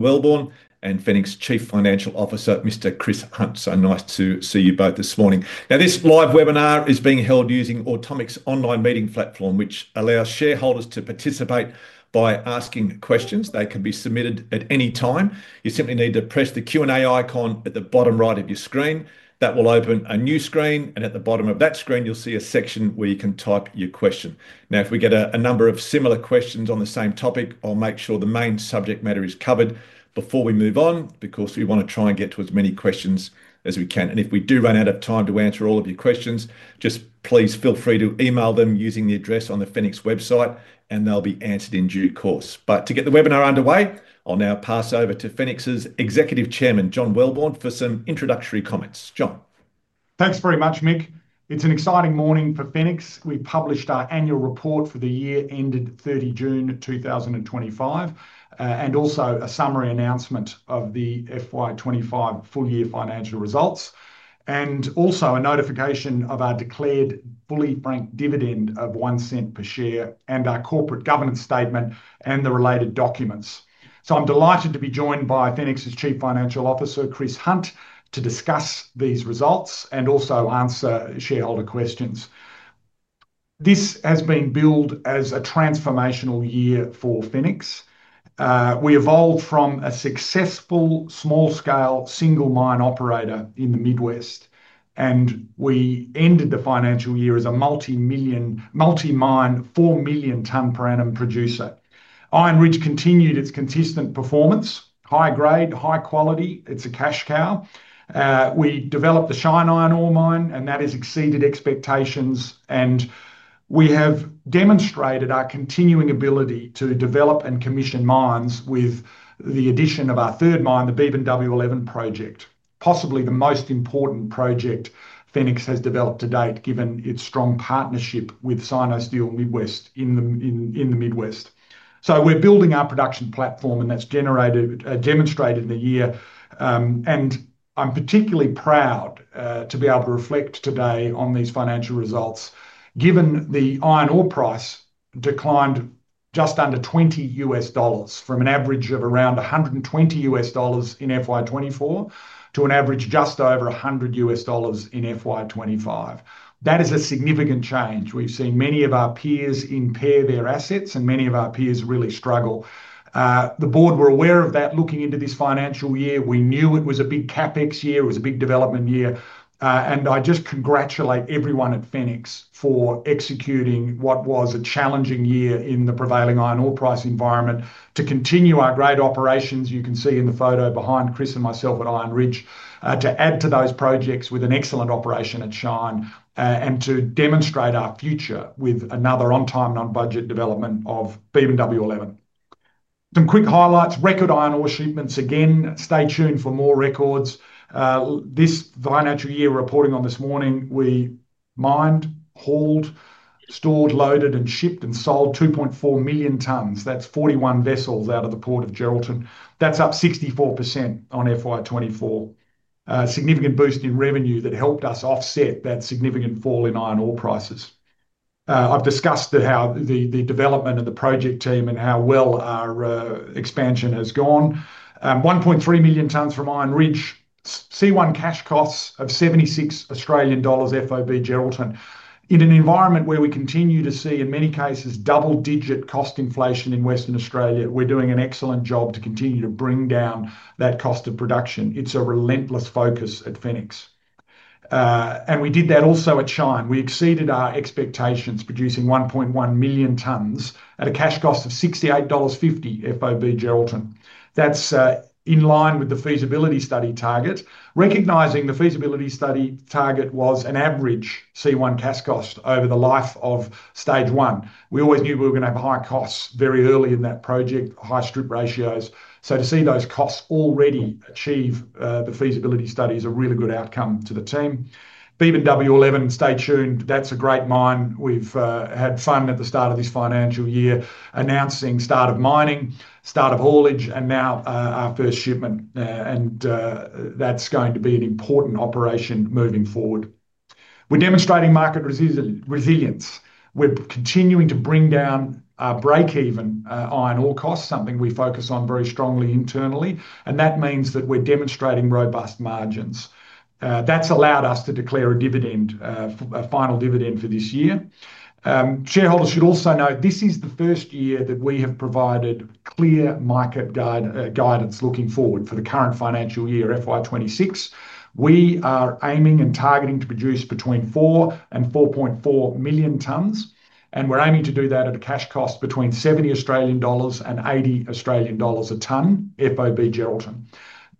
Welborn and Fenix Chief Financial Officer, Mr. Chris Hunt. So nice to see you both this morning. Now, this live webinar is being held using Automix's online meeting platform, which allows shareholders to participate by asking questions. They can be submitted at any time. You simply need to press the Q&A icon at the bottom right of your screen. That will open a new screen, and at the bottom of that screen, you'll see a section where you can type your question. If we get a number of similar questions on the same topic, I'll make sure the main subject matter is covered before we move on, because we want to try and get to as many questions as we can. If we do run out of time to answer all of your questions, just please feel free to email them using the address on the Fenix website, and they'll be answered in due course. To get the webinar underway, I'll now pass over to Fenix' Executive Chairman, John Welborn, for some introductory comments. John. Thanks very much, Mick. It's an exciting morning for Fenix. We published our annual report for the year ended 30 June 2025, and also a summary announcement of the FY 2025 full-year financial results, and also a notification of our declared fully franked final dividend of $0.01 per share, and our corporate governance statement and the related documents. I'm delighted to be joined by Fenix' Chief Financial Officer, Chris Hunt, to discuss these results and also answer shareholder questions. This has been billed as a transformational year for Fenix. We evolved from a successful small-scale single mine operator in the Midwest, and we ended the financial year as a multi-million, multi-mine, 4 million ton per annum producer. Iron Ridge continued its consistent performance: high grade, high quality. It's a cash cow. We developed the Shine Iron Ore Mine, and that has exceeded expectations, and we have demonstrated our continuing ability to develop and commission mines with the addition of our third mine, the Beebyn W11 project, possibly the most important project Fenix has developed to date, given its strong partnership with Sinosteel Midwest Corporation in the Midwest. We're building our production platform, and that's demonstrated in the year. I'm particularly proud to be able to reflect today on these financial results, given the Iron Ore price declined just under $20, from an average of around $120 in FY 2024 to an average just over $100 in FY 2025. That is a significant change. We've seen many of our peers impair their assets, and many of our peers really struggle. The board were aware of that looking into this financial year. We knew it was a big CapEx year. It was a big development year. I just congratulate everyone at Fenix for executing what was a challenging year in the prevailing Iron Ore price environment to continue our great operations. You can see in the photo behind Chris and myself at Iron Ridge to add to those projects with an excellent operation at Shine and to demonstrate our future with another on-time, on-budget development of Beebyn W11. Some quick highlights: record Iron Ore shipments again. Stay tuned for more records. This financial year reporting on this morning, we mined, hauled, stored, loaded, and shipped and sold 2.4 million tons. That's 41 vessels out of the port of Geraldton. That's up 64% on FY 2024. A significant boost in revenue that helped us offset that significant fall in Iron Ore prices. I've discussed how the development of the project team and how well our expansion has gone. 1.3 million tons from Iron Ridge, C1 cash costs of 76 Australian dollars FOB Geraldton. In an environment where we continue to see, in many cases, double-digit cost inflation in Western Australia, we're doing an excellent job to continue to bring down that cost of production. It's a relentless focus at Fenix. We did that also at Shine. We exceeded our expectations, producing 1.1 million tons at a cash cost of $68.50 FOB Geraldton. That's in line with the feasibility study target, recognizing the feasibility study target was an average C1 cash cost over the life of stage one. We always knew we were going to have high costs very early in that project, high strip ratios. To see those costs already achieve the feasibility study is a really good outcome to the team. Beebyn W11, stay tuned. That's a great mine. We've had fun at the start of this financial year, announcing start of mining, start of haulage, and now our first shipment. That's going to be an important operation moving forward. We're demonstrating market resilience. We're continuing to bring down our break-even Iron Ore costs, something we focus on very strongly internally. That means that we're demonstrating robust margins. That's allowed us to declare a dividend, a final dividend for this year. Shareholders should also know this is the first year that we have provided clear market guidance looking forward for the current financial year, FY 2026. We are aiming and targeting to produce between 4 million tons and 4.4 million tons, and we're aiming to do that at a cash cost between 70 Australian dollars and 80 Australian dollars a ton, FOB Geraldton.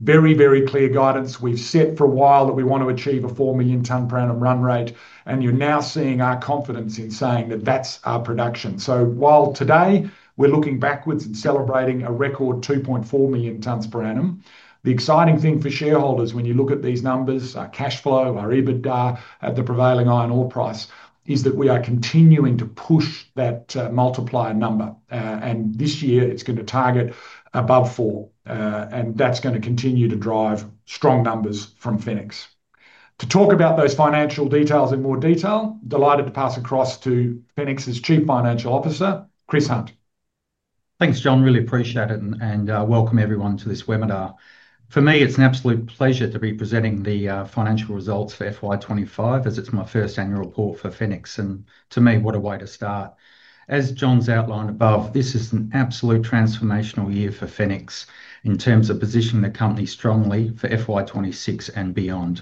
Very, very clear guidance. We've set for a while that we want to achieve a 4 million ton per annum run rate, and you're now seeing our confidence in saying that that's our production. While today we're looking backwards and celebrating a record 2.4 million tons per annum, the exciting thing for shareholders when you look at these numbers, our cash flow, our EBITDA, the prevailing Iron Ore price, is that we are continuing to push that multiplier number. This year, it's going to target above four. That's going to continue to drive strong numbers from Fenix. To talk about those financial details in more detail, delighted to pass across to Fenix's Chief Financial Officer, Chris Hunt. Thanks, John. Really appreciate it. Welcome everyone to this webinar. For me, it's an absolute pleasure to be presenting the financial results for FY 2025, as it's my first annual report for Fenix. To me, what a way to start. As John Welborn's outlined above, this is an absolute transformational year for Fenix in terms of positioning the company strongly for FY 2026 and beyond.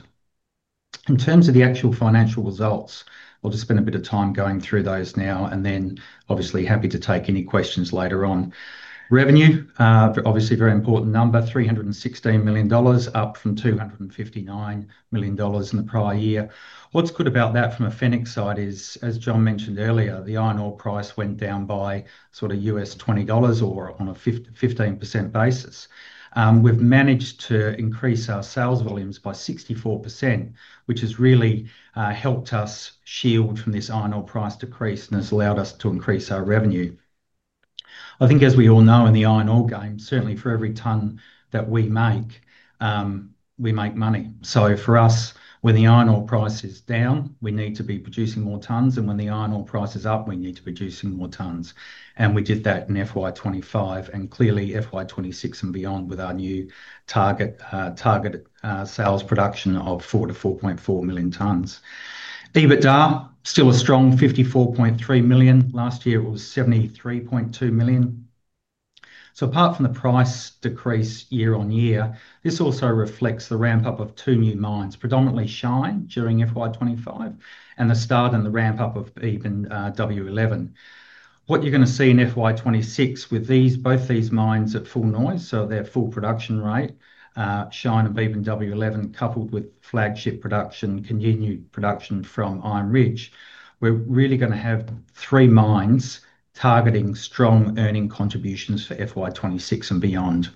In terms of the actual financial results, I'll just spend a bit of time going through those now, and obviously happy to take any questions later on. Revenue, obviously a very important number, $316 million, up from $259 million in the prior year. What's good about that from a Fenix side is, as John Welborn mentioned earlier, the Iron Ore price went down by sort of $20 or on a 15% basis. We've managed to increase our sales volumes by 64%, which has really helped us shield from this Iron Ore price decrease and has allowed us to increase our revenue. I think, as we all know, in the Iron Ore game, certainly for every ton that we make, we make money. For us, when the Iron Ore price is down, we need to be producing more tons, and when the Iron Ore price is up, we need to be producing more tons. We did that in FY 2025 and clearly FY 2026 and beyond with our new target sales production of 4 million - 4.4 million tons. EBITDA, still a strong $54.3 million. Last year, it was $73.2 million. Apart from the price decrease year on year, this also reflects the ramp-up of two new mines, predominantly Shine during FY 2025 and the start and the ramp-up of Beebyn W11. What you're going to see in FY 2026 with both these mines at full noise, so their full production rate, Shine and Beebyn W11, coupled with flagship production, continued production from Iron Ridge, we're really going to have three mines targeting strong earning contributions for FY 2026 and beyond.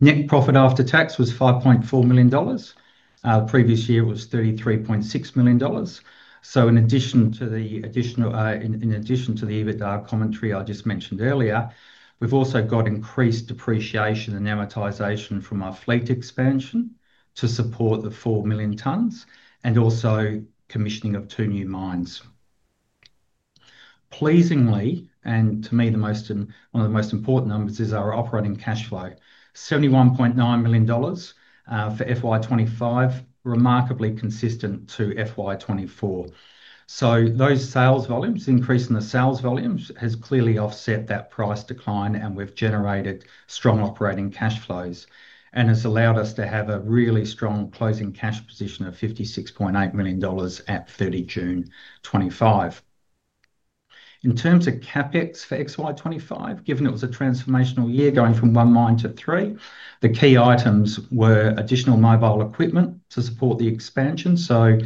Net profit after tax was $5.4 million. Previous year, it was $33.6 million. In addition to the EBITDA commentary I just mentioned earlier, we've also got increased depreciation and amortization from our fleet expansion to support the 4 million tons and also commissioning of two new mines. Pleasingly, and to me, one of the most important numbers is our operating cash flow, $71.9 million for FY 2025, remarkably consistent to FY 2024. Those sales volumes, increase in the sales volumes, has clearly offset that price decline, and we've generated strong operating cash flows and has allowed us to have a really strong closing cash position of $56.8 million at 30 June 2025. In terms of CapEx for FY 2025, given it was a transformational year going from one mine to three, the key items were additional mobile equipment to support the expansion. The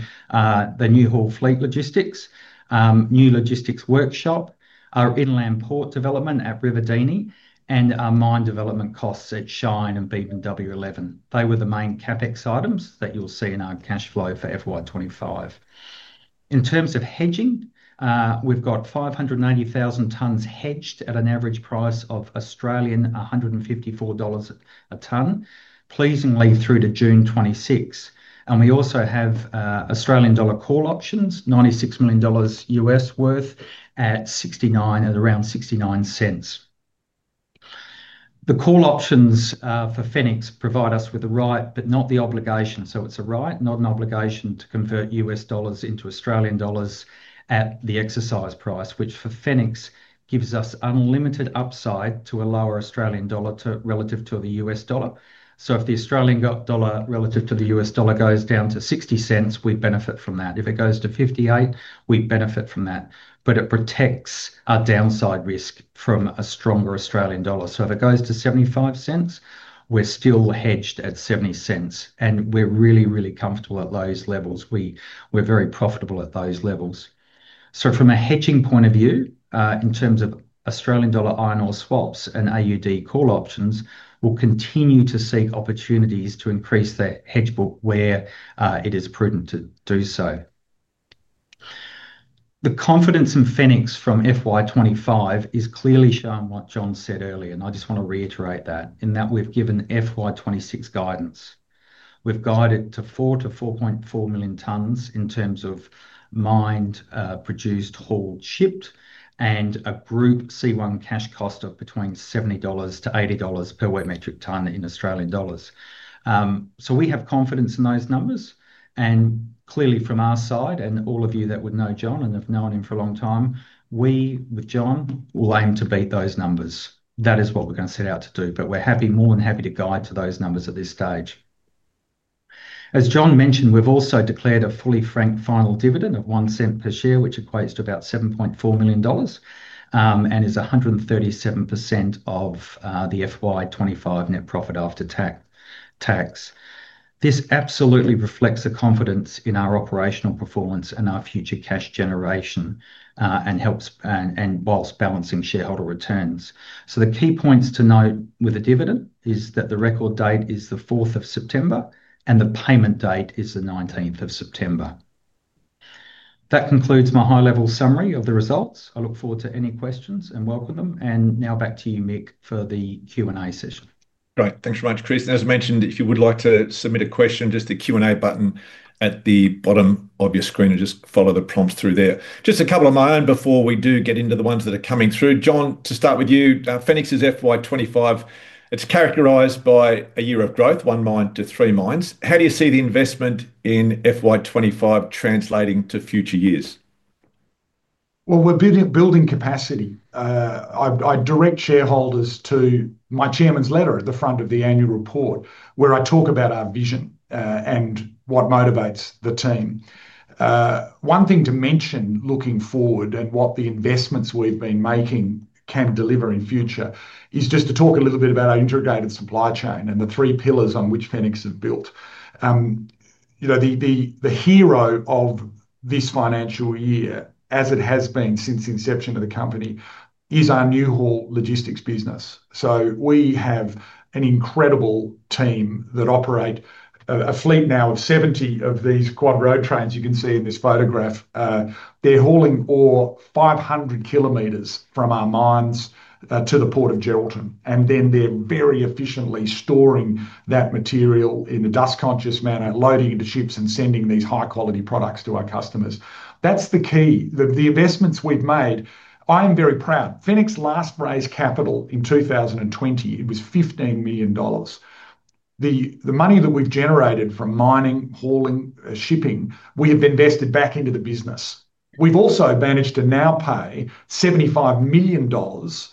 Newhaul fleet logistics, new logistics workshop, our inland port development at Ruvidini, and our mine development costs at Shine and Beebyn W11. They were the main CapEx items that you'll see in our cash flow for FY 2025. In terms of hedging, we've got 590,000 tons hedged at an average price of 154 Australian dollars a ton, pleasingly through to June 2026. We also have AUD call options, $96 million U.S. worth at around $0.69. The call options for Fenix provide us with a right, but not the obligation. It's a right, not an obligation, to convert U.S. dollars into Australian dollars at the exercise price, which for Fenix gives us unlimited upside to a lower Australian dollar relative to the U.S. dollar. If the Australian dollar relative to the U.S. dollar goes down to $0.60, we benefit from that. If it goes to $0.58, we benefit from that. It protects our downside risk from a stronger Australian dollar. If it goes to $0.75, we're still hedged at $0.70, and we're really, really comfortable at those levels. We're very profitable at those levels. From a hedging point of view, in terms of Australian dollar Iron Ore swaps and AUD call options, we'll continue to seek opportunities to increase that hedge book where it is prudent to do so. The confidence in Fenix from FY 2025 is clearly shown in what John said earlier, and I just want to reiterate that, in that we've given FY 2026 guidance. We've guided to 4 million - 4.4 million tons in terms of mined, produced, hauled, shipped, and a group C1 cash cost of between $70 to $80 per wet metric ton in Australian dollars. We have confidence in those numbers, and clearly from our side, and all of you that would know John and have known him for a long time, we with John will aim to beat those numbers. That is what we're going to set out to do, but we're happy, more than happy to guide to those numbers at this stage. As John mentioned, we've also declared a fully franked final dividend of $0.01 per share, which equates to about $7.4 million and is 137% of the FY 2025 Net Profit After Tax. This absolutely reflects the confidence in our operational performance and our future cash generation and helps whilst balancing shareholder returns. The key points to note with the dividend are that the record date is the 4th of September, and the payment date is the 19th of September. That concludes my high-level summary of the results. I look forward to any questions and welcome them. Now back to you, Mick, for the Q&A session. Great. Thanks very much, Chris. As I mentioned, if you would like to submit a question, there's the Q&A button at the bottom of your screen, and just follow the prompts through there. Just a couple of my own before we do get into the ones that are coming through. John, to start with you, Fenix ' FY2025, it's characterized by a year of growth, one mine to three mines. How do you see the investment in FY 2025 translating to future years? We're building capacity. I direct shareholders to my Chairman's letter at the front of the annual report, where I talk about our vision and what motivates the team. One thing to mention looking forward and what the investments we've been making can deliver in the future is just to talk a little bit about our integrated supply chain and the three pillars on which Fenix is built. You know, the hero of this financial year, as it has been since the inception of the company, is our new haul logistics business. We have an incredible team that operate a fleet now of 70 of these quad road trains you can see in this photograph. They're hauling ore 500 km from our mines to the port of Geraldton, and then they're very efficiently storing that material in a dust-conscious manner, loading into ships, and sending these high-quality products to our customers. That's the key. The investments we've made, I am very proud. Fenix last raised capital in 2020. It was $15 million. The money that we've generated from mining, hauling, shipping, we have invested back into the business. We've also managed to now pay $75 million,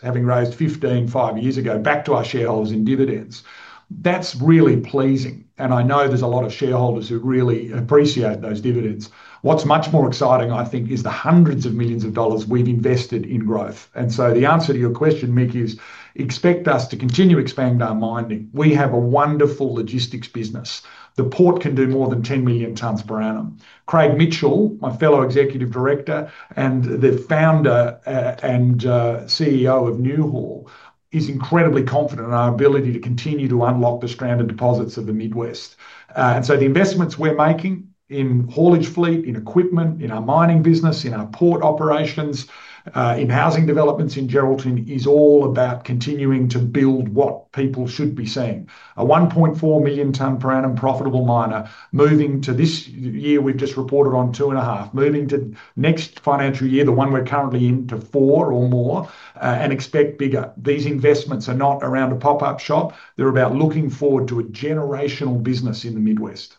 having raised $15.5 million years ago, back to our shareholders in dividends. That's really pleasing. I know there's a lot of shareholders who really appreciate those dividends. What's much more exciting, I think, is the hundreds of millions of dollars we've invested in growth. The answer to your question, Mick, is expect us to continue to expand our mining. We have a wonderful logistics business. The port can do more than 10 million tons per annum. Craig Mitchell, my fellow Executive Director and the founder and CEO of Newhaul, is incredibly confident in our ability to continue to unlock the stranded deposits of the Midwest. The investments we're making in haulage fleet, in equipment, in our mining business, in our port operations, in housing developments in Geraldton is all about continuing to build what people should be seeing. A 1.4 million ton per annum profitable miner moving to this year, we've just reported on 2.5, moving to next financial year, the one we're currently in, to 4 or more and expect bigger. These investments are not around a pop-up shop. They're about looking forward to a generational business in the Midwest.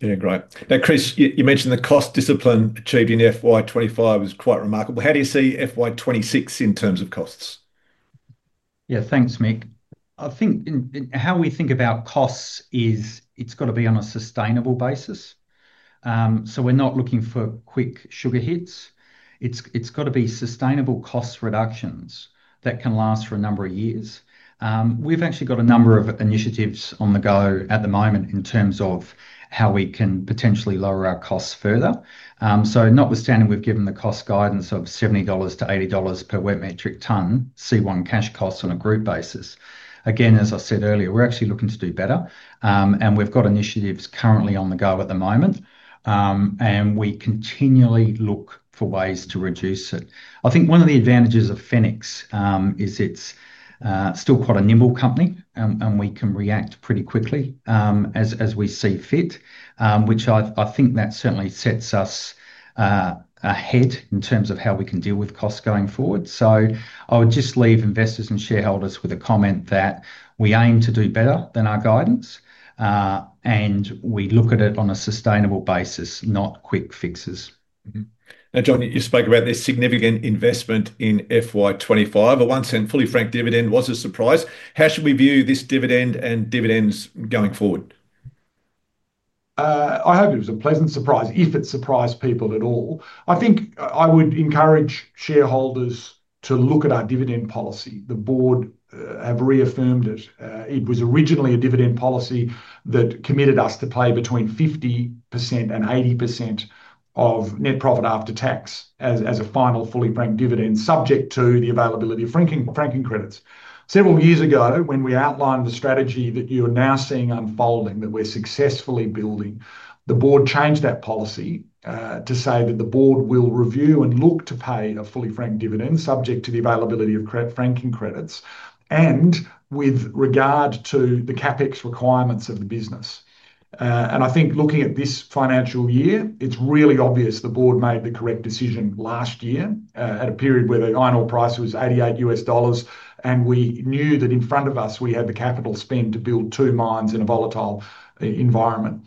Yeah, great. Now, Chris, you mentioned the cost discipline achieved in FY 2025 was quite remarkable. How do you see FY 2026 in terms of costs? Yeah, thanks, Mick. I think how we think about costs is it's got to be on a sustainable basis. We're not looking for quick sugar hits. It's got to be sustainable cost reductions that can last for a number of years. We've actually got a number of initiatives on the go at the moment in terms of how we can potentially lower our costs further. Notwithstanding, we've given the cost guidance of $70 - $80 per wet metric ton C1 cash costs on a group basis. Again, as I said earlier, we're actually looking to do better, and we've got initiatives currently on the go at the moment, and we continually look for ways to reduce it. I think one of the advantages of Fenix is it's still quite a nimble company, and we can react pretty quickly as we see fit, which I think certainly sets us ahead in terms of how we can deal with costs going forward. I would just leave investors and shareholders with a comment that we aim to do better than our guidance, and we look at it on a sustainable basis, not quick fixes. Now, John, you spoke about this significant investment in FY 2025. A $0.01 fully franked final dividend was a surprise. How should we view this dividend and dividends going forward? I hope it was a pleasant surprise, if it surprised people at all. I think I would encourage shareholders to look at our dividend policy. The Board has reaffirmed it. It was originally a dividend policy that committed us to pay between 50% and 80% of net profit after tax as a final fully franked dividend subject to the availability of franking credits. Several years ago, when we outlined the strategy that you are now seeing unfolding, that we're successfully building, the Board changed that policy to say that the Board will review and look to pay a fully franked dividend subject to the availability of franking credits and with regard to the CapEx requirements of the business. I think looking at this financial year, it's really obvious the Board made the correct decision last year at a period where the Iron Ore price was $88, and we knew that in front of us, we had the capital spend to build two mines in a volatile environment.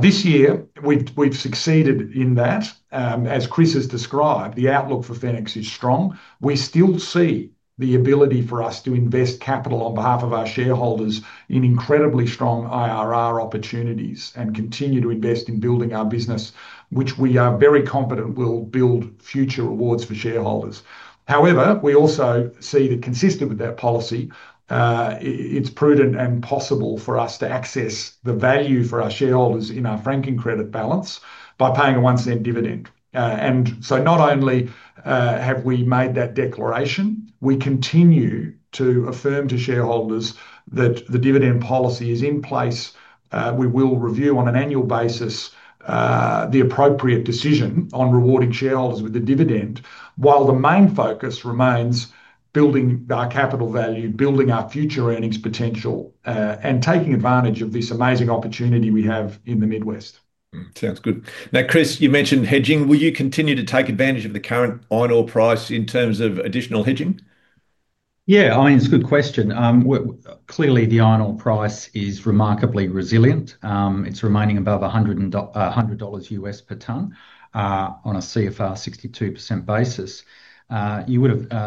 This year, we've succeeded in that. As Chris has described, the outlook for Fenix is strong. We still see the ability for us to invest capital on behalf of our shareholders in incredibly strong IRR opportunities and continue to invest in building our business, which we are very confident will build future rewards for shareholders. However, we also see that consistent with that policy, it's prudent and possible for us to access the value for our shareholders in our franking credit balance by paying a $0.01 dividend. Not only have we made that declaration, we continue to affirm to shareholders that the dividend policy is in place. We will review on an annual basis the appropriate decision on rewarding shareholders with a dividend, while the main focus remains building our capital value, building our future earnings potential, and taking advantage of this amazing opportunity we have in the Midwest. Sounds good. Now, Chris, you mentioned hedging. Will you continue to take advantage of the current Iron Ore price in terms of additional hedging? Yeah, I mean, it's a good question. Clearly, the Iron Ore price is remarkably resilient. It's remaining above $100 per ton on a CFR 62% basis.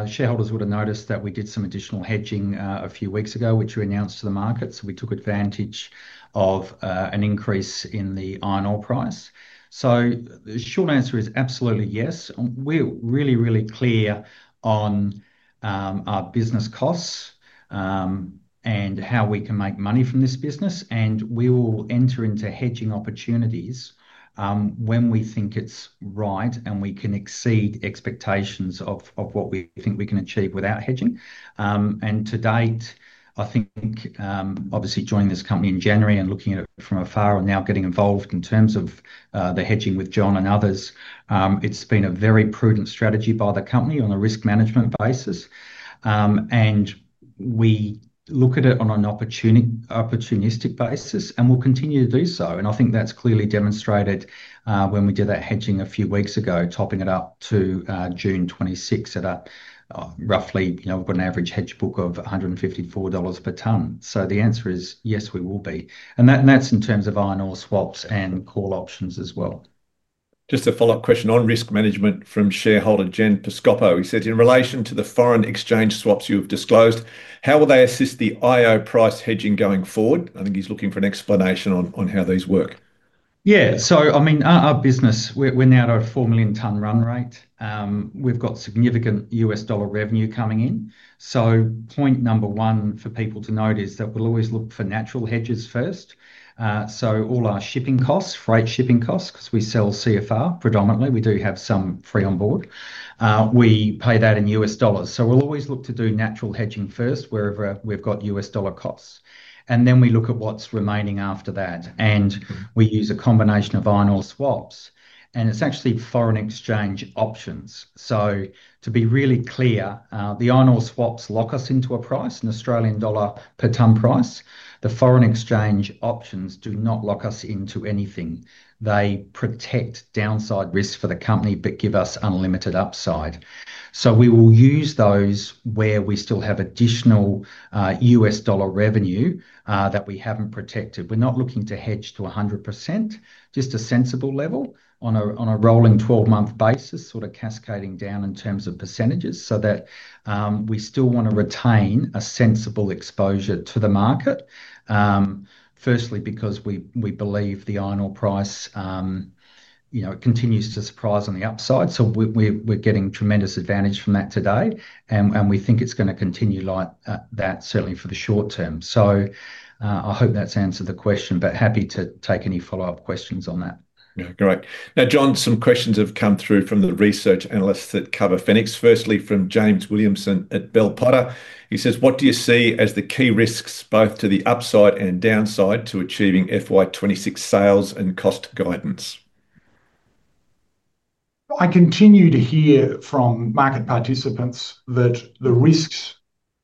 Shareholders would have noticed that we did some additional hedging a few weeks ago, which we announced to the market. We took advantage of an increase in the Iron Ore price. The short answer is absolutely yes. We're really, really clear on our business costs and how we can make money from this business, and we will enter into hedging opportunities when we think it's right and we can exceed expectations of what we think we can achieve without hedging. To date, I think obviously joining this company in January and looking at it from afar and now getting involved in terms of the hedging with John and others, it's been a very prudent strategy by the company on a risk management basis. We look at it on an opportunistic basis, and we'll continue to do so. I think that's clearly demonstrated when we did that hedging a few weeks ago, topping it up to June 2026 at a roughly, you know, we've got an average hedge book of $154 per ton. The answer is yes, we will be. That's in terms of Iron Ore swaps and call options as well. Just a follow-up question on risk management from shareholder Jen Piscopo. He said in relation to the foreign exchange swaps you've disclosed, how will they assist the IO price hedging going forward? I think he's looking for an explanation on how these work. Yeah, so I mean, our business, we're now at a 4 million ton run rate. We've got significant U.S. dollar revenue coming in. Point number one for people to note is that we'll always look for natural hedges first. All our shipping costs, freight shipping costs, because we sell CFR predominantly. We do have some free on board. We pay that in U.S. dollars. We'll always look to do natural hedging first wherever we've got U.S. dollar costs. Then we look at what's remaining after that. We use a combination of Iron Ore swaps, and it's actually foreign exchange options. To be really clear, the Iron Ore swaps lock us into a price, an Australian dollar per ton price. The foreign exchange options do not lock us into anything. They protect downside risk for the company, but give us unlimited upside. We will use those where we still have additional U.S. dollar revenue that we haven't protected. We're not looking to hedge to 100%, just a sensible level on a rolling 12-month basis, sort of cascading down in terms of percentages, so that we still want to retain a sensible exposure to the market. Firstly, because we believe the Iron Ore price continues to surprise on the upside. We're getting tremendous advantage from that today, and we think it's going to continue like that certainly for the short term. I hope that's answered the question, but happy to take any follow-up questions on that. Great. Now, John, some questions have come through from the research analysts that cover Fenix. Firstly, from James Williamson at Bell Potter. He says, what do you see as the key risks both to the upside and downside to achieving FY 2026 sales and cost guidance? I continue to hear from market participants that the risks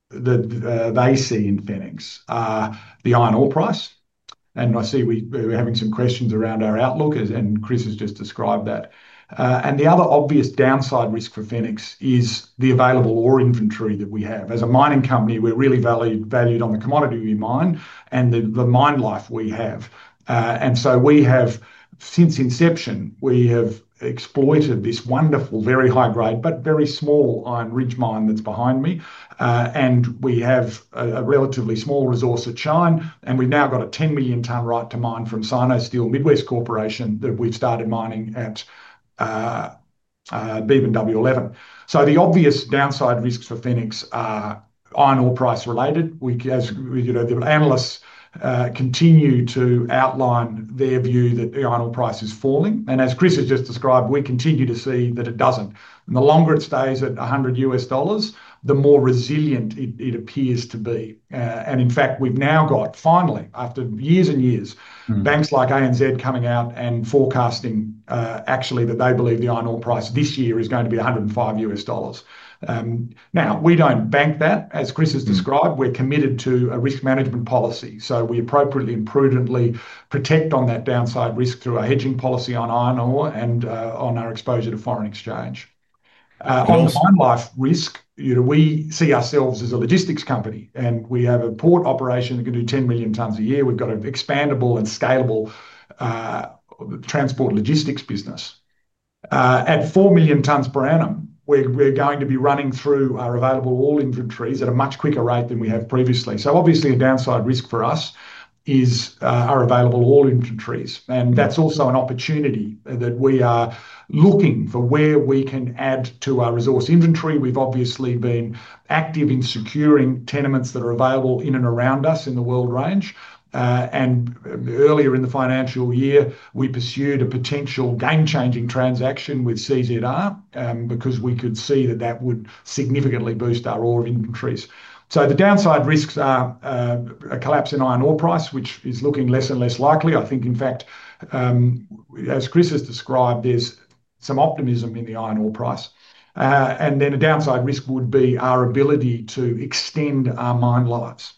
that they see in Fenix are the Iron Ore price. I see we're having some questions around our outlook, and Chris has just described that. The other obvious downside risk for Fenix Resources is the available ore inventory that we have. As a mining company, we're really valued on the commodity we mine and the mine life we have. Since inception, we have exploited this wonderful, very high-grade, but very small Iron Ridge mine that's behind me. We have a relatively small resource at Shine, and we've now got a 10 million ton right to mine from Sinosteel Midwest Corporation that we've started mining at Beebyn W11. The obvious downside risks for Fenix are Iron Ore price related. As you know, the analysts continue to outline their view that the Iron Ore price is falling. As Chris has just described, we continue to see that it doesn't. The longer it stays at $100, the more resilient it appears to be. In fact, we've now got, finally, after years and years, banks like ANZ coming out and forecasting actually that they believe the Iron Ore price this year is going to be $105. We don't bank that. As Chris has described, we're committed to a risk management policy. We appropriately and prudently protect on that downside risk through our hedging policy on Iron Ore and on our exposure to foreign exchange. On the mine life risk, we see ourselves as a logistics company, and we have a port operation that can do 10 million tons a year. We've got an expandable and scalable transport logistics business. At 4 million tons per annum, we're going to be running through our available ore inventories at a much quicker rate than we have previously. Obviously, a downside risk for us is our available ore inventories. That's also an opportunity that we are looking for where we can add to our resource inventory. We've obviously been active in securing tenements that are available in and around us in the Weld Range. Earlier in the financial year, we pursued a potential game-changing transaction with CZR because we could see that that would significantly boost our ore inventories. The downside risks are a collapse in Iron Ore price, which is looking less and less likely. I think, in fact, as Chris has described, there's some optimism in the Iron Ore price. A downside risk would be our ability to extend our mine lives.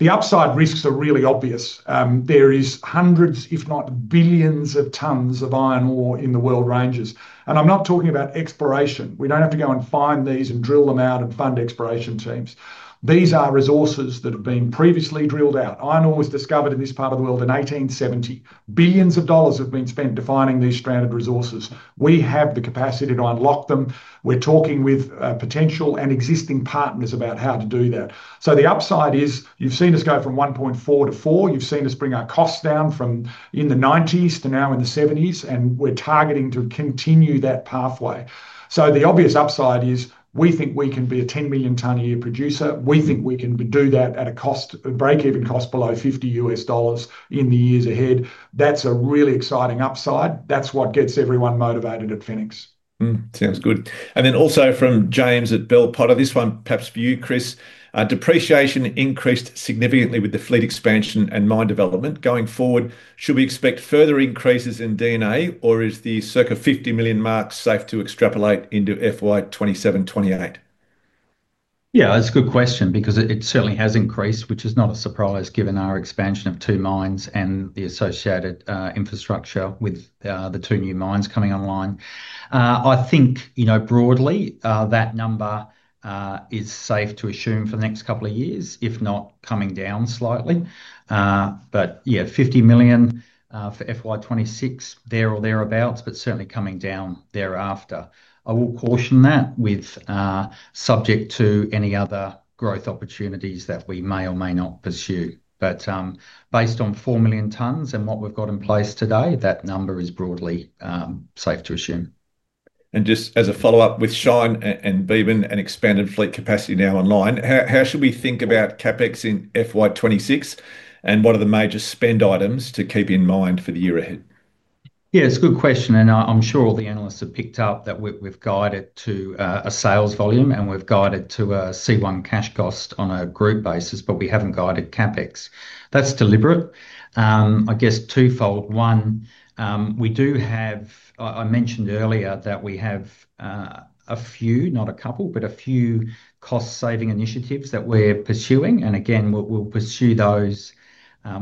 The upside risks are really obvious. There are hundreds, if not billions of tons of Iron Ore in the world ranges. I'm not talking about exploration. We don't have to go and find these and drill them out or fund exploration teams. These are resources that have been previously drilled out. Iron Ore was discovered in this part of the world in 1870. Billions of dollars have been spent defining these stranded resources. We have the capacity to unlock them. We're talking with potential and existing partners about how to do that. The upside is you've seen us go from 1.4 to 4. You've seen us bring our costs down from in the $90s to now in the $70s, and we're targeting to continue that pathway. The obvious upside is we think we can be a 10 million ton a year producer. We think we can do that at a break-even cost below $50 in the years ahead. That's a really exciting upside. That's what gets everyone motivated at Fenix. Sounds good. Also from James at Bell Potter, this one perhaps for you, Chris. Depreciation increased significantly with the fleet expansion and mine development. Going forward, should we expect further increases in D&A, or is the circa $50 million mark safe to extrapolate into FY 2027-2028? Yeah, that's a good question because it certainly has increased, which is not a surprise given our expansion of two mines and the associated infrastructure with the two new mines coming online. I think, you know, broadly, that number is safe to assume for the next couple of years, if not coming down slightly. $50 million for FY 2026, there or thereabouts, certainly coming down thereafter. I will caution that with subject to any other growth opportunities that we may or may not pursue. Based on 4 million tons and what we've got in place today, that number is broadly safe to assume. Just as a follow-up, with Shine and Beebyn W11 and expanded fleet capacity now online, how should we think about CapEx in FY 2026, and what are the major spend items to keep in mind for the year ahead? Yeah, it's a good question. I'm sure all the analysts have picked up that we've guided to a sales volume and we've guided to a C1 cash cost on a group basis, but we haven't guided CapEx. That's deliberate. I guess twofold. One, I mentioned earlier that we have a few, not a couple, but a few cost-saving initiatives that we're pursuing. We'll pursue those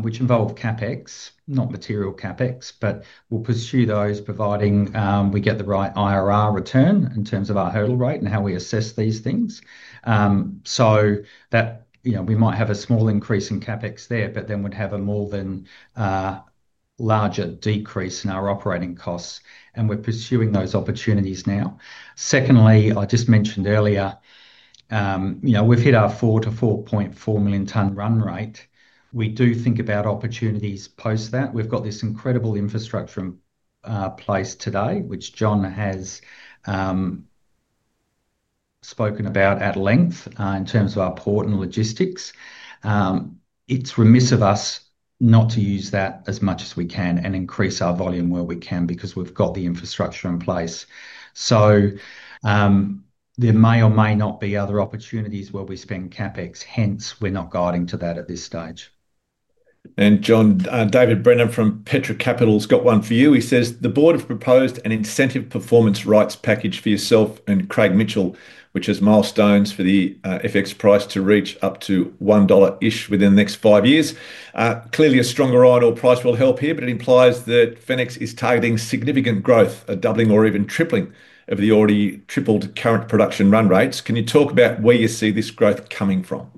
which involve CapEx, not material CapEx, but we'll pursue those providing we get the right IRR return in terms of our hurdle rate and how we assess these things. We might have a small increase in CapEx there, but then we'd have a more than larger decrease in our operating costs. We're pursuing those opportunities now. Secondly, I just mentioned earlier, we've hit our 4 million - 4.4 million ton run rate. We do think about opportunities post that. We've got this incredible infrastructure in place today, which John has spoken about at length in terms of our port and logistics. It's remiss of us not to use that as much as we can and increase our volume where we can because we've got the infrastructure in place. There may or may not be other opportunities where we spend CapEx, hence we're not guiding to that at this stage. John, David Brenner from Petra Capital's got one for you. He says the board has proposed an incentive performance rights package for yourself and Craig Mitchell, which has milestones for the FX price to reach up to $1 within the next five years. Clearly, a stronger Iron Ore price will help here, but it implies that Fenix is targeting significant growth, doubling or even tripling of the already tripled current production run rates. Can you talk about where you see this growth coming from?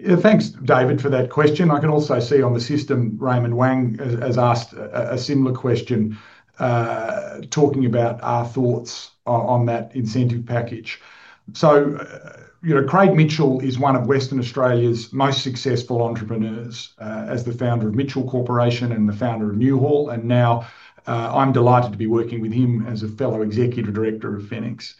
Yeah, thanks David for that question. I can also see on the system, Raymond Wang has asked a similar question, talking about our thoughts on that incentive package. Craig Mitchell is one of Western Australia's most successful entrepreneurs as the founder of Mitchell Corporation and the founder of Newhaul. I am delighted to be working with him as a fellow Executive Director of Fenix.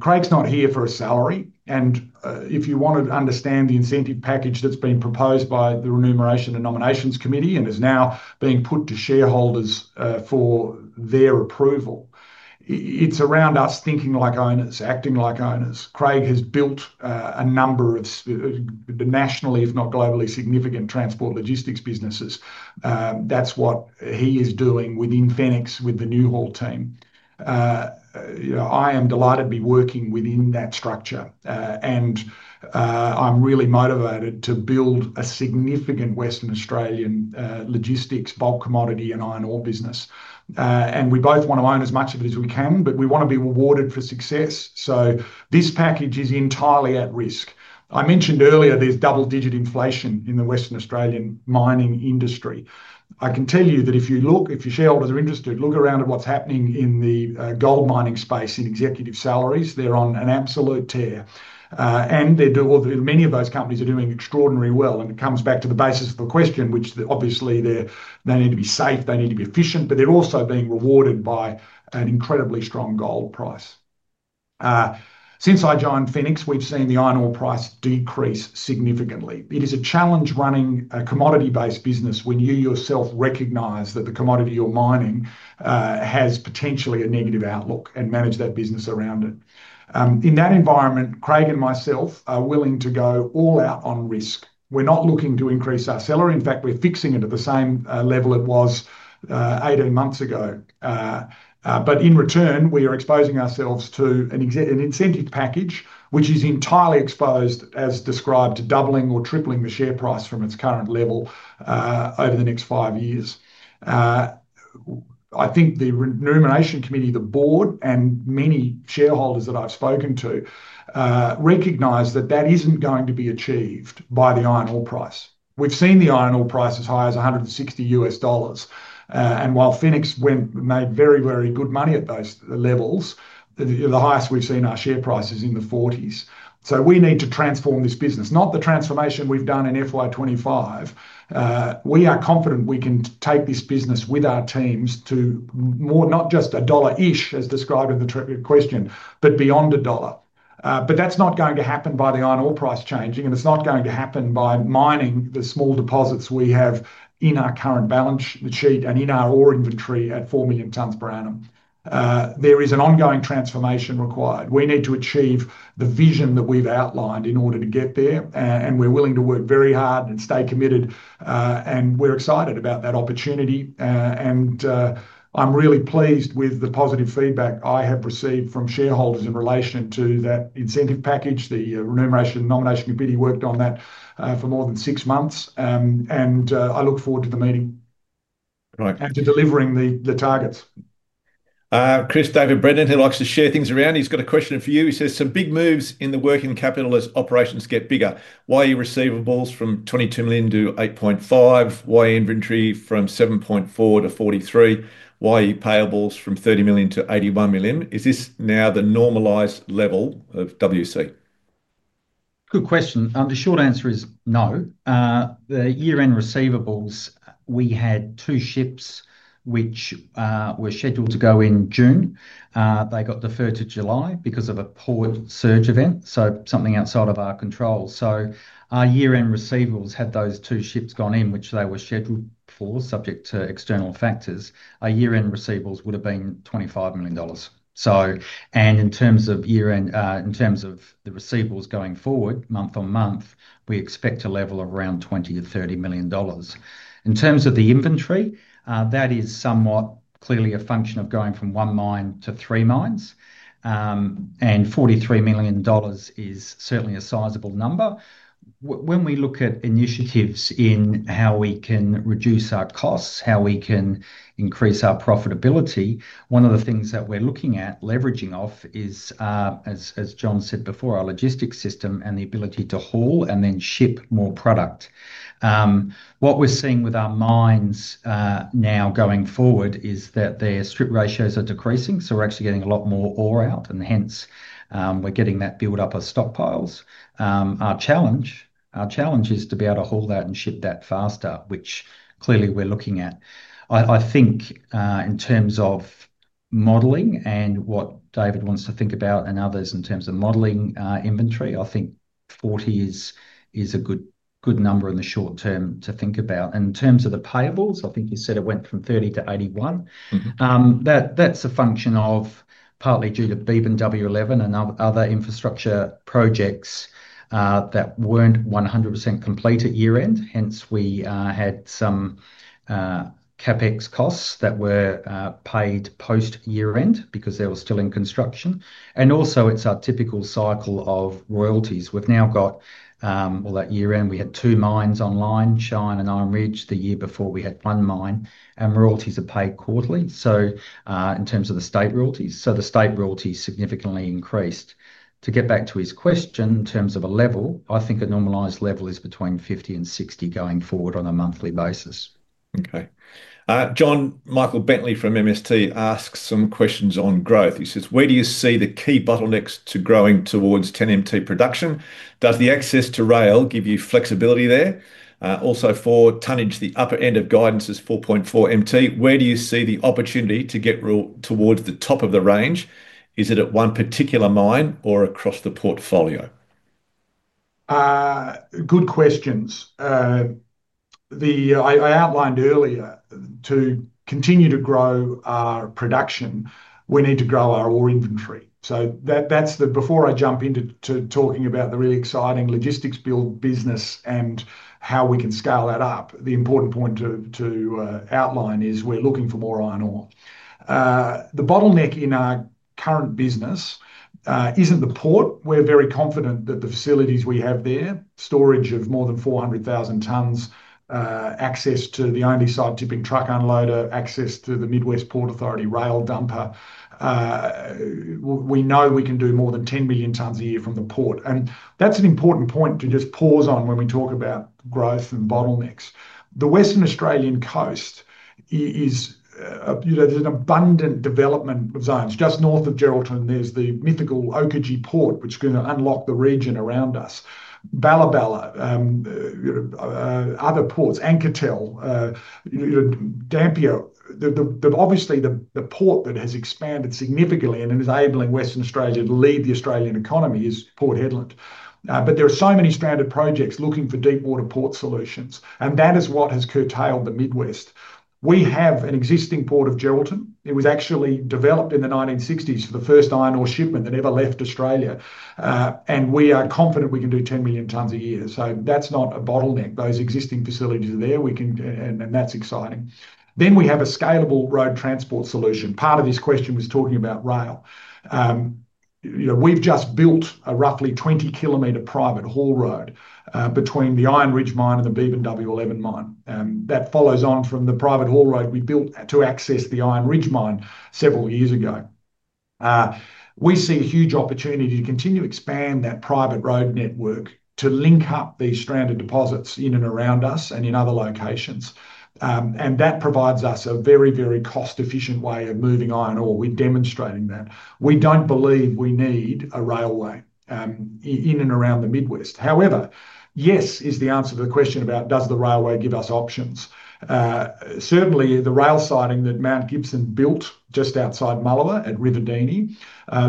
Craig's not here for a salary. If you want to understand the incentive package that's been proposed by the Remuneration and Nominations Committee and is now being put to shareholders for their approval, it's around us thinking like owners, acting like owners. Craig has built a number of the nationally, if not globally, significant transport logistics businesses. That's what he is doing within Fenix with the Fenix-Newhaul team. I am delighted to be working within that structure. I'm really motivated to build a significant Western Australian logistics bulk commodity and Iron Ore business. We both want to own as much of it as we can, but we want to be rewarded for success. This package is entirely at risk. I mentioned earlier there's double-digit inflation in the Western Australian mining industry. I can tell you that if your shareholders are interested, look around at what's happening in the gold mining space in executive salaries. They're on an absolute tear. Many of those companies are doing extraordinarily well. It comes back to the basis of the question, which obviously they need to be safe, they need to be efficient, but they're also being rewarded by an incredibly strong gold price. Since I joined Fenix, we've seen the Iron Ore price decrease significantly. It is a challenge running a commodity-based business when you yourself recognize that the commodity you're mining has potentially a negative outlook and manage that business around it. In that environment, Craig and myself are willing to go all out on risk. We're not looking to increase our salary. In fact, we're fixing it at the same level it was eight or nine months ago. In return, we are exposing ourselves to an incentive package which is entirely exposed, as described, to doubling or tripling the share price from its current level over the next five years. I think the Remuneration Committee, the board, and many shareholders that I've spoken to recognize that that isn't going to be achieved by the Iron Ore price. We've seen the Iron Ore price as high as $160. While Fenix made very, very good money at those levels, the highest we've seen our share price is in the $40s. We need to transform this business, not the transformation we've done in FY 2025. We are confident we can take this business with our teams to more, not just a dollar-ish, as described in the question, but beyond a dollar. That's not going to happen by the Iron Ore price changing, and it's not going to happen by mining the small deposits we have in our current balance sheet and in our ore inventory at 4 million tons per annum. There is an ongoing transformation required. We need to achieve the vision that we've outlined in order to get there. We're willing to work very hard and stay committed. We're excited about that opportunity. I'm really pleased with the positive feedback I have received from shareholders in relation to that incentive package. The Remuneration and Nomination Committee worked on that for more than six months. I look forward to the meeting and to delivering the targets. Chris, David Brenner, who likes to share things around, he's got a question for you. He says, some big moves in the working capital as operations get bigger. Year-end receivables from $22 million to $8.5 million, year-end inventory from $7.4 million to $43 million, year-end payables from $30 million to $81 million. Is this now the normalized level of working capital? Good question. The short answer is no. The year-end receivables, we had two ships which were scheduled to go in June. They got deferred to July because of a port surge event, something outside of our control. Our year-end receivables had those two ships gone in, which they were scheduled for, subject to external factors. Our year-end receivables would have been $25 million. In terms of year-end, in terms of the receivables going forward, month on month, we expect a level of around $20 million - $30 million. In terms of the inventory, that is somewhat clearly a function of going from one mine to three mines. $43 million is certainly a sizable number. When we look at initiatives in how we can reduce our costs, how we can increase our profitability, one of the things that we're looking at leveraging off is, as John said before, our logistics system and the ability to haul and then ship more product. What we're seeing with our mines now going forward is that their strip ratios are decreasing. We're actually getting a lot more ore out, and hence we're getting that build-up of stockpiles. Our challenge is to be able to haul that and ship that faster, which clearly we're looking at. I think in terms of modeling and what David wants to think about and others in terms of modeling inventory, I think 40 is a good number in the short term to think about. In terms of the payables, I think you said it went from 30 to 81. That's a function of partly due to Beebyn W11 and other infrastructure projects that weren't 100% complete at year-end. We had some CapEx costs that were paid post-year-end because they were still in construction. Also, it's our typical cycle of royalties. We've now got all that year-end. We had two mines online, Shine and Iron Ridge, the year before we had one mine, and royalties are paid quarterly. In terms of the state royalties, the state royalties significantly increased. To get back to his question, in terms of a level, I think a normalized level is between 50 and 60 going forward on a monthly basis. Okay. John Michael Bentley from MST asks some questions on growth. He says, where do you see the key bottlenecks to growing towards 10 million tonnes production? Does the access to rail give you flexibility there? Also, for tonnage, the upper end of guidance is 4.4 million tonnes. Where do you see the opportunity to get towards the top of the range? Is it at one particular mine or across the portfolio? Good questions. I outlined earlier, to continue to grow our production, we need to grow our ore inventory. That's the, before I jump into talking about the really exciting logistics build business and how we can scale that up, the important point to outline is we're looking for more Iron Ore. The bottleneck in our current business isn't the port. We're very confident that the facilities we have there, storage of more than 400,000 tons, access to the only side tipping truck unloader, access to the Mid West Ports Authority rail dumper. We know we can do more than 10 million tons a year from the port. That's an important point to just pause on when we talk about growth and bottlenecks. The Western Australian coast is, you know, there's an abundant development of zones. Just north of Geraldton, there's the mythical Oakajee Port, which is going to unlock the region around us. Balabala, other ports, Anketell, Dampier, obviously the port that has expanded significantly and is enabling Western Australia to lead the Australian economy is Port Hedland. There are so many stranded projects looking for deep water port solutions. That is what has curtailed the Midwest. We have an existing port of Geraldton. It was actually developed in the 1960s for the first Iron Ore shipment that ever left Australia. We are confident we can do 10 million tons a year. That's not a bottleneck. Those existing facilities are there, and that's exciting. We have a scalable road transport solution. Part of this question was talking about rail. We've just built a roughly 20 km private haul road between the Iron Ridge mine and the Beebyn W11 mine. That follows on from the private haul road we built to access the Iron Ridge mine several years ago. We see a huge opportunity to continue to expand that private road network to link up these stranded deposits in and around us and in other locations. That provides us a very, very cost-efficient way of moving Iron Ore. We're demonstrating that. We don't believe we need a railway in and around the Midwest. However, yes is the answer to the question about does the railway give us options? Certainly, the rail siding that Mount Gibson built just outside Mullewa at Ruvidini,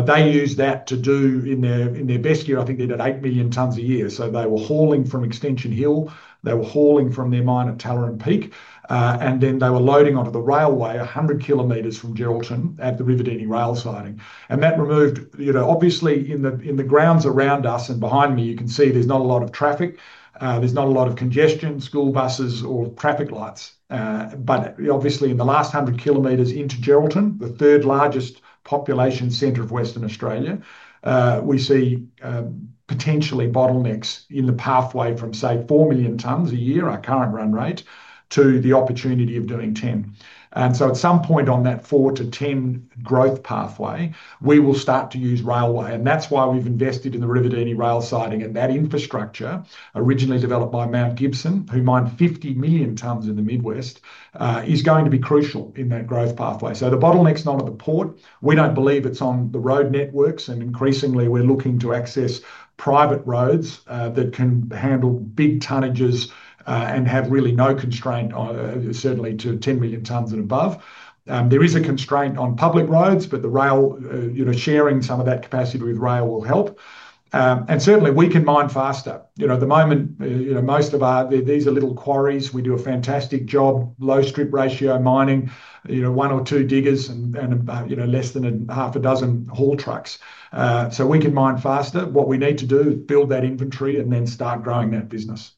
they use that to do in their best year, I think they did 8 million tons a year. They were hauling from Extension Hill. They were hauling from their mine at Tallering Peak. They were loading onto the railway 100 km from Geraldton at the Ruvidini rail siding. That removed, you know, obviously in the grounds around us and behind me, you can see there's not a lot of traffic. There's not a lot of congestion, school buses, or traffic lights. Obviously, in the last 100 km into Geraldton, the third largest population center of Western Australia, we see potentially bottlenecks in the pathway from, say, 4 million tons a year, our current run rate, to the opportunity of doing 10. At some point on that 4 to 10 growth pathway, we will start to use railway. That's why we've invested in the Ruvidini rail siding, and that infrastructure originally developed by Mount Gibson, who mined 50 million tons in the Midwest, is going to be crucial in that growth pathway. The bottleneck is not at the port. We don't believe it's on the road networks. Increasingly, we're looking to access private roads that can handle big tonnages and have really no constraint, certainly to 10 million tons and above. There is a constraint on public roads, but the rail, you know, sharing some of that capacity with rail will help. Certainly, we can mine faster. At the moment, you know, most of our, these are little quarries. We do a fantastic job, low strip ratio mining, you know, one or two diggers and, you know, less than half a dozen haul trucks. We can mine faster. What we need to do is build that inventory and then start growing that business.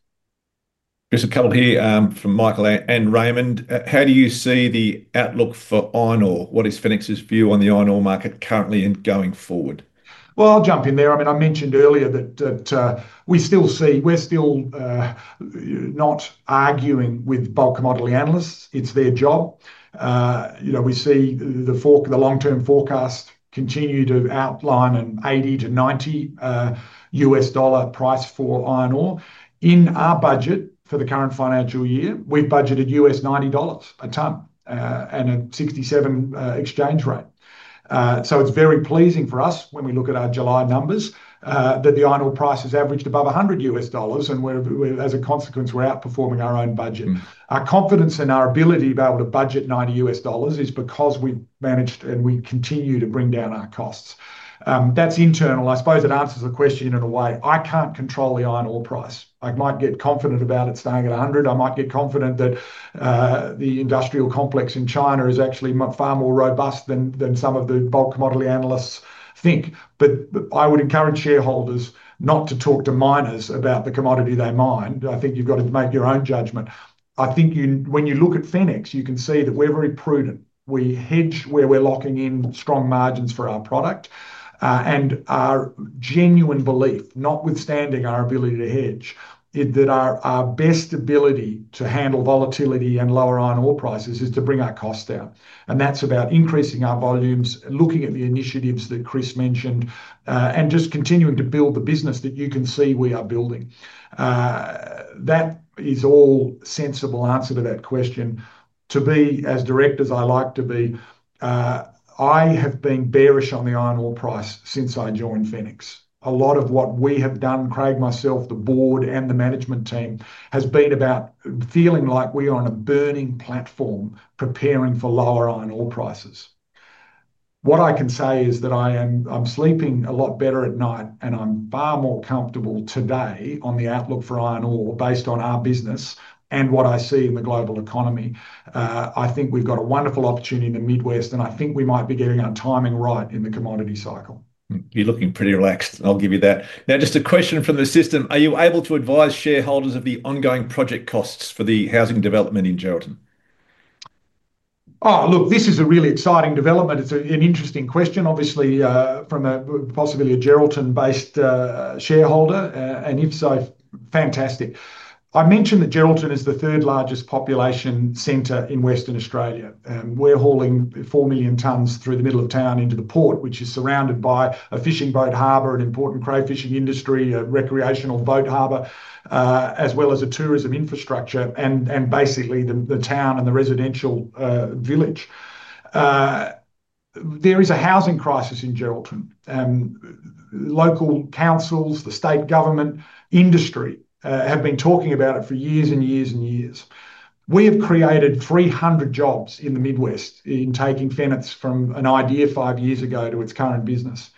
Just a couple here from Michael and Raymond. How do you see the outlook for Iron Ore? What is Fenix's view on the Iron Ore market currently and going forward? I’ll jump in there. I mentioned earlier that we still see, we’re still not arguing with bulk commodity analysts. It’s their job. We see the long-term forecast continue to outline an $80 - $90 price for Iron Ore. In our budget for the current financial year, we’ve budgeted $90 a ton and a $0.67 exchange rate. It’s very pleasing for us when we look at our July numbers that the Iron Ore price has averaged above $100. As a consequence, we’re outperforming our own budget. Our confidence in our ability to be able to budget $90 is because we’ve managed and we continue to bring down our costs. That’s internal. I suppose it answers the question in a way. I can’t control the Iron Ore price. I might get confident about it staying at $100. I might get confident that the industrial complex in China is actually far more robust than some of the bulk commodity analysts think. I would encourage shareholders not to talk to miners about the commodity they mine. I think you’ve got to make your own judgment. I think when you look at Fenix Resources, you can see that we’re very prudent. We hedge where we’re locking in strong margins for our product. Our genuine belief, notwithstanding our ability to hedge, is that our best ability to handle volatility and lower Iron Ore prices is to bring our costs down. That’s about increasing our volumes, looking at the initiatives that Chris mentioned, and just continuing to build the business that you can see we are building. That is all sensible answer to that question. To be as direct as I like to be, I have been bearish on the Iron Ore price since I joined Fenix. A lot of what we have done, Craig, myself, the board, and the management team, has been about feeling like we are on a burning platform preparing for lower Iron Ore prices. What I can say is that I’m sleeping a lot better at night, and I’m far more comfortable today on the outlook for Iron Ore based on our business and what I see in the global economy. I think we’ve got a wonderful opportunity in the Midwest, and I think we might be getting our timing right in the commodity cycle. You're looking pretty relaxed. I'll give you that. Now, just a question from the system. Are you able to advise shareholders of the ongoing project costs for the housing development in Geraldton? Oh, look, this is a really exciting development. It's an interesting question, obviously, from possibly a Geraldton-based shareholder. If so, fantastic. I mentioned that Geraldton is the third largest population center in Western Australia. We're hauling 4 million tons through the middle of town into the port, which is surrounded by a fishing boat harbor, an important crayfishing industry, a recreational boat harbor, as well as a tourism infrastructure, and basically the town and the residential village. There is a housing crisis in Geraldton. Local councils, the state government, and industry have been talking about it for years and years and years. We have created 300 jobs in the Midwest in taking Fenix from an idea five years ago to its current business.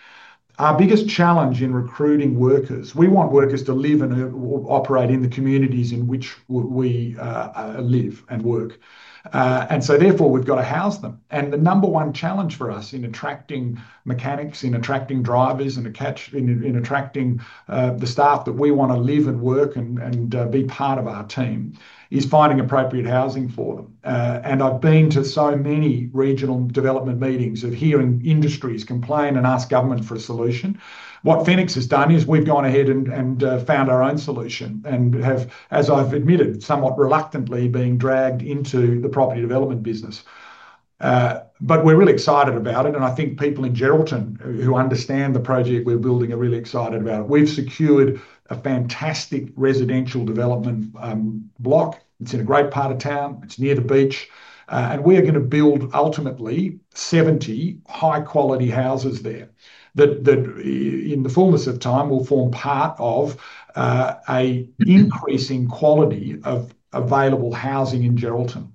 Our biggest challenge in recruiting workers is that we want workers to live and operate in the communities in which we live and work. Therefore, we've got to house them. The number one challenge for us in attracting mechanics, in attracting drivers, and in attracting the staff that we want to live and work and be part of our team is finding appropriate housing for them. I've been to so many regional development meetings hearing industries complain and ask government for a solution. What Fenix has done is we've gone ahead and found our own solution and have, as I've admitted, somewhat reluctantly been dragged into the property development business. We're really excited about it. I think people in Geraldton who understand the project we're building are really excited about it. We've secured a fantastic residential development block. It's in a great part of town. It's near the beach. We are going to build ultimately 70 high-quality houses there that in the fullness of time will form part of an increasing quality of available housing in Geraldton.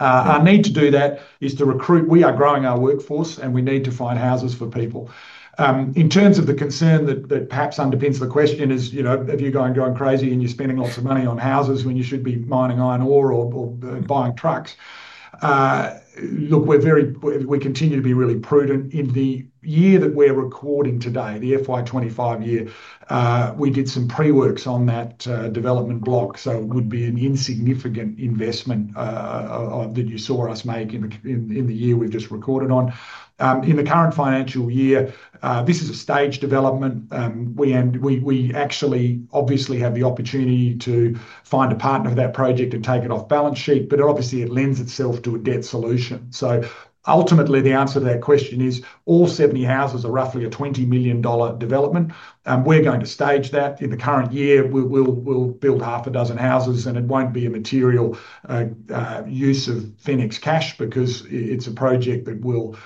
Our need to do that is to recruit. We are growing our workforce, and we need to find houses for people. In terms of the concern that perhaps underpins the question, you know, have you gone crazy and you're spending lots of money on houses when you should be mining Iron Ore or buying trucks? Look, we continue to be really prudent. In the year that we're recording today, the FY 2025 year, we did some pre-works on that development block. It would be an insignificant investment that you saw us make in the year we've just recorded on. In the current financial year, this is a staged development. We actually obviously have the opportunity to find a partner for that project and take it off balance sheet, but obviously it lends itself to a debt solution. Ultimately, the answer to that question is all 70 houses are roughly a $20 million development. We're going to stage that. In the current year, we'll build half a dozen houses, and it won't be a material use of Fenix Resources cash because it's a project that will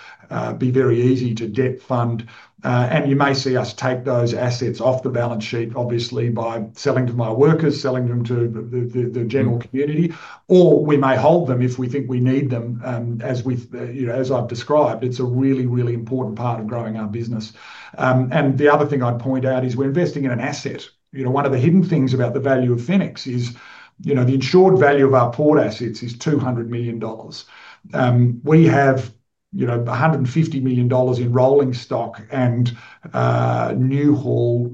be very easy to debt fund. You may see us take those assets off the balance sheet, obviously, by selling them to my workers, selling them to the general community, or we may hold them if we think we need them. As I've described, it's a really, really important part of growing our business. The other thing I'd point out is we're investing in an asset. One of the hidden things about the value of Fenix is the insured value of our port assets is $200 million. We have $150 million in rolling stock and Newhaul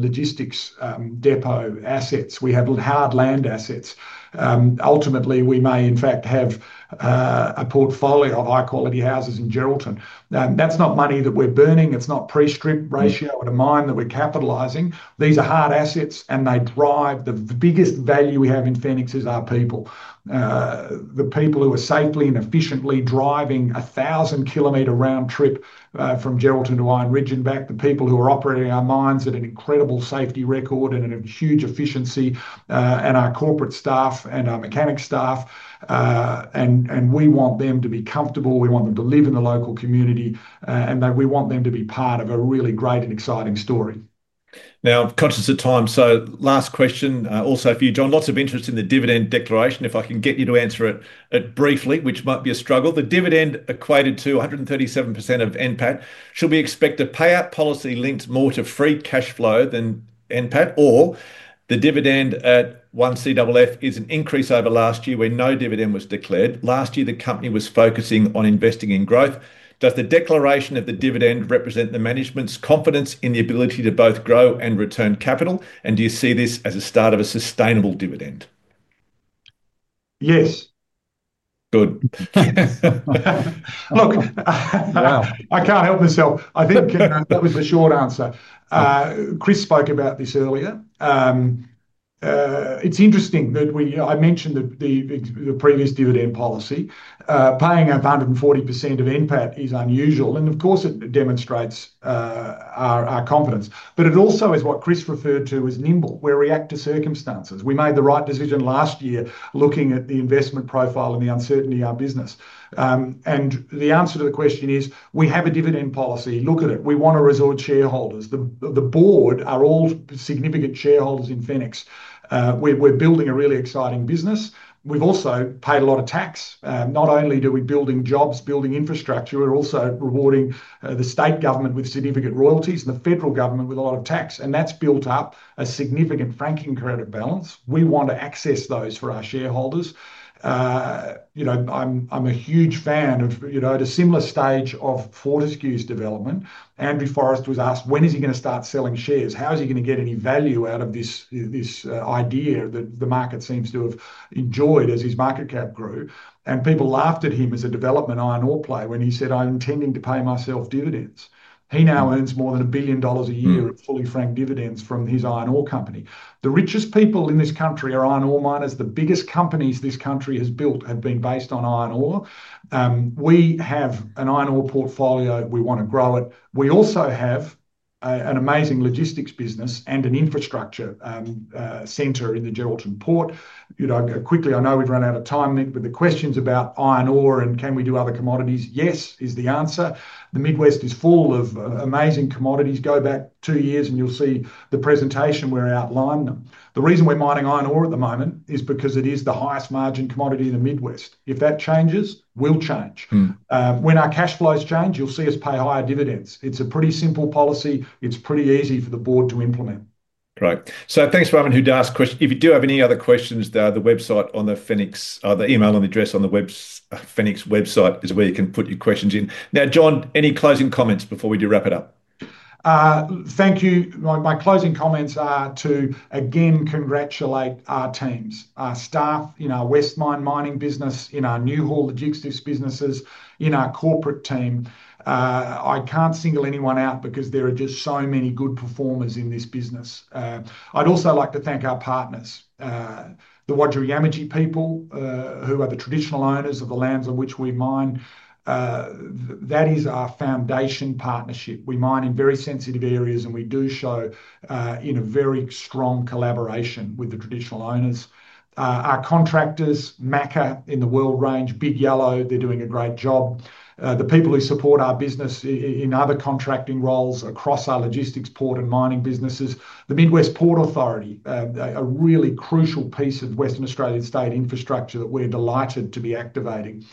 logistics depot assets. We have hard land assets. Ultimately, we may, in fact, have a portfolio of high-quality houses in Geraldton. That's not money that we're burning. It's not pre-strip ratio to mine that we're capitalizing. These are hard assets, and they drive the biggest value we have in Fenix is our people. The people who are safely and efficiently driving a thousand-kilometer round trip from Geraldton to Iron Ridge and back, the people who are operating our mines at an incredible safety record and a huge efficiency, and our corporate staff and our mechanic staff. We want them to be comfortable. We want them to live in the local community. We want them to be part of a really great and exciting story. Now, conscious of time, so last question also for you, John. Lots of interest in the dividend declaration. If I can get you to answer it briefly, which might be a struggle. The dividend equated to 137% of NPAT. Should we expect a payout policy linked more to free cash flow than NPAT, or the dividend at $0.01 per fully franked final dividend is an increase over last year when no dividend was declared? Last year, the company was focusing on investing in growth. Does the declaration of the dividend represent the management's confidence in the ability to both grow and return capital? Do you see this as a start of a sustainable dividend? Yes. Good. Look, I can't help myself. I think that was the short answer. Chris spoke about this earlier. It's interesting that I mentioned the previous dividend policy. Paying up 140% of NPAT is unusual. It demonstrates our confidence. It also is what Chris referred to as nimble, where we act to circumstances. We made the right decision last year looking at the investment profile and the uncertainty in our business. The answer to the question is we have a dividend policy. Look at it. We want to resort shareholders. The board are all significant shareholders in Fenix. We're building a really exciting business. We've also paid a lot of tax. Not only are we building jobs, building infrastructure, we're also rewarding the state government with significant royalties and the federal government with a lot of tax. That's built up a significant franking credit balance. We want to access those for our shareholders. You know, I'm a huge fan of a similar stage of Fortescue's development. Andrew Forrest was asked, when is he going to start selling shares? How is he going to get any value out of this idea that the market seems to have enjoyed as his market cap grew? People laughed at him as a development Iron Ore player when he said, I'm intending to pay myself dividends. He now earns more than $1 billion a year at fully franked dividends from his Iron Ore company. The richest people in this country are Iron Ore miners. The biggest companies this country has built have been based on Iron Ore. We have an Iron Ore portfolio. We want to grow it. We also have an amazing logistics business and an infrastructure center in the Geraldton port. Quickly, I know we've run out of time, Nick, but the questions about Iron Ore and can we do other commodities, yes, is the answer. The Midwest is full of amazing commodities. Go back two years, and you'll see the presentation where I outline them. The reason we're mining Iron Ore at the moment is because it is the highest margin commodity in the Midwest. If that changes, we'll change. When our cash flows change, you'll see us pay higher dividends. It's a pretty simple policy. It's pretty easy for the board to implement. Right. Thanks, Raymond, who'd asked a question. If you do have any other questions, the email address on the Fenix Resources website is where you can put your questions in. Now, John, any closing comments before we do wrap it up? Thank you. My closing comments are to again congratulate our teams, our staff in our West Mine mining business, in our Newhaul logistics businesses, in our corporate team. I can't single anyone out because there are just so many good performers in this business. I'd also like to thank our partners, the Wajarri Yamatji people, who are the traditional owners of the lands on which we mine. That is our foundation partnership. We mine in very sensitive areas, and we do show in a very strong collaboration with the traditional owners. Our contractors, MACA Limited in the Weld Range, Big Yellow, they're doing a great job. The people who support our business in other contracting roles across our logistics, port, and mining businesses, the Mid West Ports Authority, a really crucial piece of Western Australian state infrastructure that we're delighted to be activating.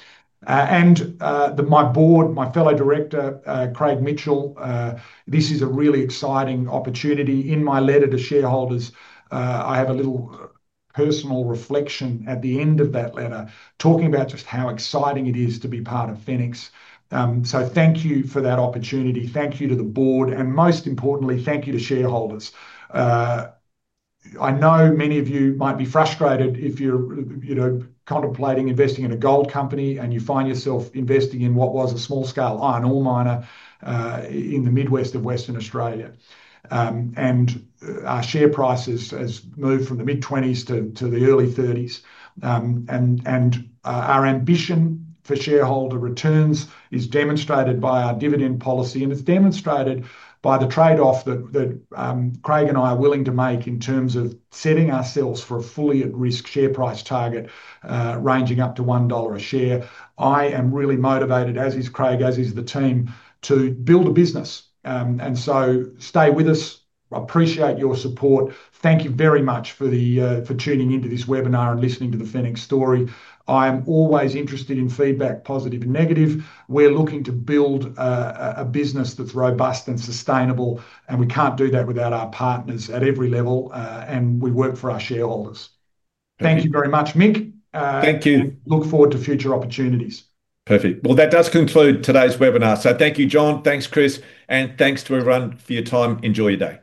My board, my fellow director, Craig Mitchell, this is a really exciting opportunity. In my letter to shareholders, I have a little personal reflection at the end of that letter, talking about just how exciting it is to be part of Fenix. Thank you for that opportunity. Thank you to the board. Most importantly, thank you to shareholders. I know many of you might be frustrated if you're contemplating investing in a gold company and you find yourself investing in what was a small-scale Iron Ore miner in the Mid West of Western Australia. Our share price has moved from the mid-20s to the early 30s. Our ambition for shareholder returns is demonstrated by our dividend policy, and it's demonstrated by the trade-off that Craig and I are willing to make in terms of setting ourselves for a fully at-risk share price target ranging up to $1 a share. I am really motivated, as is Craig, as is the team, to build a business. Stay with us. Appreciate your support. Thank you very much for tuning into this webinar and listening to the Fenix story. I am always interested in feedback, positive and negative. We're looking to build a business that's robust and sustainable, and we can't do that without our partners at every level. We work for our shareholders. Thank you very much, Mick. Thank you. Look forward to future opportunities. Perfect. That does conclude today's webinar. Thank you, John. Thanks, Chris. Thanks to everyone for your time. Enjoy your day.